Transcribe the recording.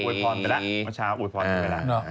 อุ๊ยพรไปแล้วมาเช้าอุ๊ยพรไปแล้ว